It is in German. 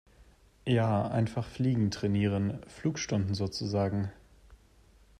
Ja, einfach fliegen trainieren. Flugstunden sozusagen.